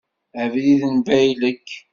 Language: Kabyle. Abrid n baylek.